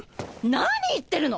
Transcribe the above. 何言ってるの！